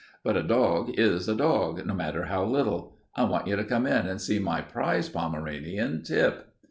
But a dog is a dog, no matter how little. I want you to come in and see my prize Pomeranian, Tip."